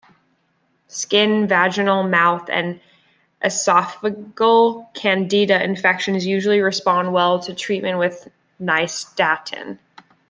Skin, vaginal, mouth, and esophageal "Candida" infections usually respond well to treatment with nystatin.